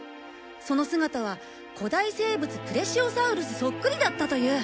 その姿は古代生物プレシオサウルスそっくりだったという。